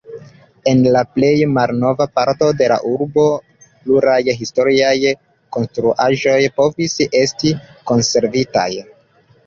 En la plej malnova parto de la urbo pluraj historiaj konstruaĵoj povis esti konservitaj.